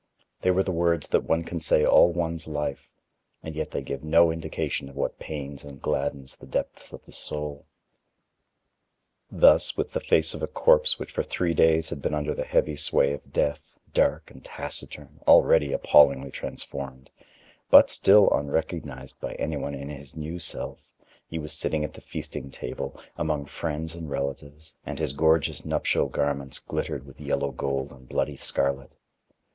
They were the words that one can say all one's life, and yet they give no indication of what pains and gladdens the depths of the soul. Thus, with the face of a corpse which for three days had been under the heavy sway of death, dark and taciturn, already appallingly transformed, but still unrecognized by anyone in his new self, he was sitting at the feasting table, among friends and relatives, and his gorgeous nuptial garments glittered with yellow gold and bloody scarlet.